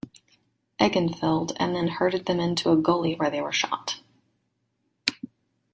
Eggenfeld and then herded them into a gully, where they were shot.